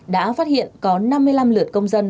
đã phát hiện có năm mươi năm lượt công dân